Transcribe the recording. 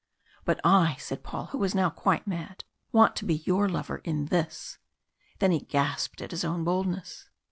"But I," said Paul, who was now quite mad, "want to be your lover in this!" Then he gasped at his own boldness.